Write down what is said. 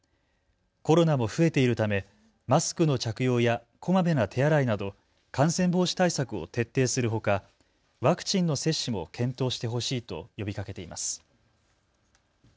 コロナも増えているためマスクの着用やこまめな手洗いなど感染防止対策を徹底するほかワクチンの接種も検討してほしいと呼びかけています。